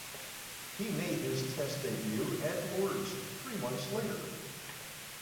He made his Test debut at Lord's three months later.